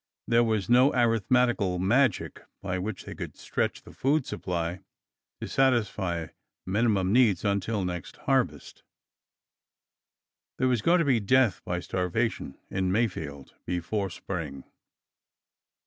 There was no arithmetical magic by which they could stretch the food supply to satisfy minimum needs until next harvest. There was going to be death by starvation in Mayfield before spring.